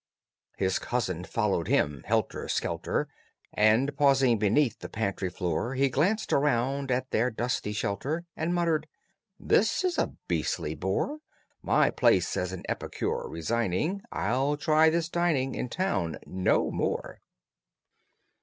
His cousin followed him, helter skelter, And, pausing beneath the pantry floor, He glanced around at their dusty shelter And muttered, "This is a beastly bore. My place as an epicure resigning, I'll try this dining In town no more.